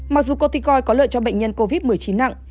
mặc dù coticoi có lợi cho bệnh nhân covid một mươi chín nặng